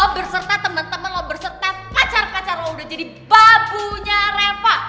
lo berserta temen temen lo berserta pacar pacar lo udah jadi babunya reva